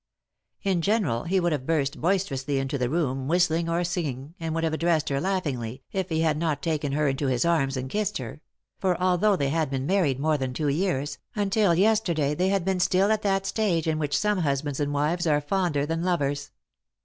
In general he would have burst boisterously *4 3i 9 iii^d by Google THE INTERRUPTED KISS into the room, whistling or singing, and would have addressed her laughingly, if he had not taken her into his amis and kissed her ; for, although they had been married more than two years, until yesterday they had been still in that stage in which some husbands and wives are fonder than lovers.